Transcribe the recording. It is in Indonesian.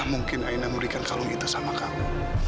mana mungkin aina memberikan kalung itu sama kamu